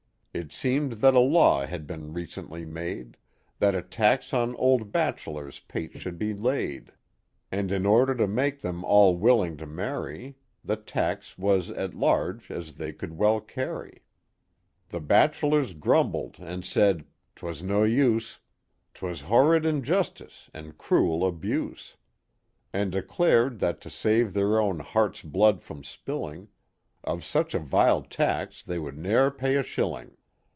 It seemed that a law had been recently made, That a tax on old bachelors* pates should be laid. And in order to make them all willing to marry The tax was as large as they could well carry. The bachelors grumbled and said, " 'T was no use, *T was horrid injustice and cruel abuse.'* And declared that to save their own heart's blood from spSling Of such a vile tax they would ne'er pay a shilling.